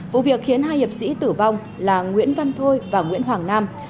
vụ việc khiến hai hiệp sĩ tử vong là nguyễn văn thôi và nguyễn hoàng nam